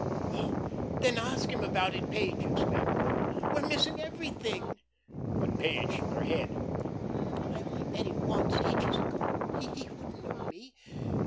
"Oh, then ask him about it, Page," exclaimed Laura. "We're missing everything." But Page shook her head: "I only met him once, ages ago; he wouldn't know me.